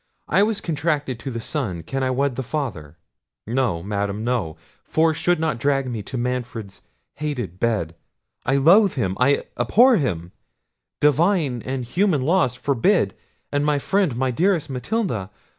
I was contracted to the son, can I wed the father? No, madam, no; force should not drag me to Manfred's hated bed. I loathe him, I abhor him: divine and human laws forbid—and my friend, my dearest Matilda!